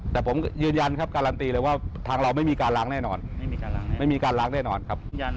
แต่ผมยืนยันครับการันตีเลยว่าทางเราไม่มีการล้างแน่นอนไม่มีการล้างไม่มีการล้างแน่นอนครับ